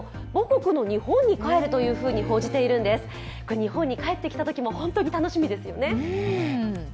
日本に帰ってきたときも、本当に楽しみですよね。